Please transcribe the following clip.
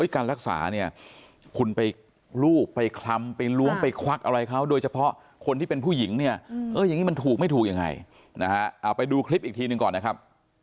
การรักษาเนี่ยคุณไปรูปไปคลำไปล้วงไปควักอะไรเขาโดยเฉพาะคนที่เป็นผู้หญิงเนี่ยอย่างนี้มันถูกไม่ถูกยังไงนะฮะเอาไปดูคลิปอีกทีหนึ่งก่อนนะครับ